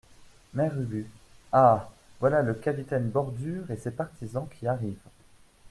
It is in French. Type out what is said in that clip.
Mère Ubu Ah ! voilà le capitaine Bordure et ses partisans qui arrivent.